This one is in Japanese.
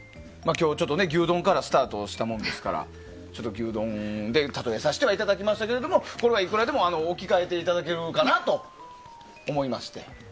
今日、牛丼からスタートしたもんですからちょっと牛丼で例えさせていただきましたけどもこれはいくらでも置き換えていただけるかなと思いまして。